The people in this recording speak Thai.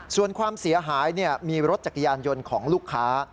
ส่วนความเสียหายมีรถจักรยานยนต์ของลูกค้า